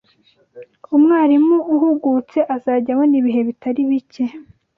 Umwarimu uhugutse azajya abona ibihe bitari bike